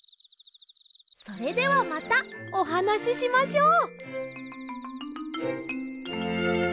それではまたおはなししましょう。